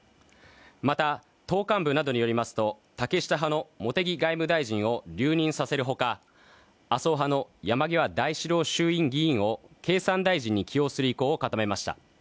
また、党幹部などによりますと、竹下派の茂木外務大臣を留任させるほか麻生派の山際大志郎衆院議員を経産大臣に起用する意向を固めました。